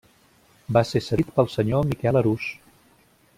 Va ser cedit pel senyor Miquel Arús.